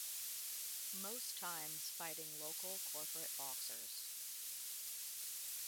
Most times fighting local corporate boxers.